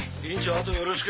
あとよろしく。